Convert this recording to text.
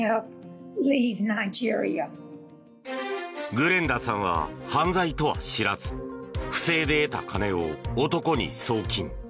グレンダさんは犯罪とは知らず不正で得た金を男に送金。